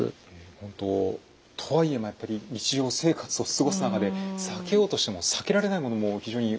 本当とはいえでもやっぱり日常生活を過ごす中で避けようとしても避けられないものも非常に多いでしょうからね。